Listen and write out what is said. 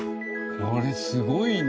これすごいな。